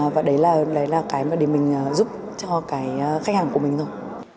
và đấy là cái mà để mình giúp cho cái khách hàng của mình thôi